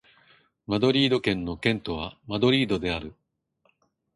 マドリード県の県都はマドリードである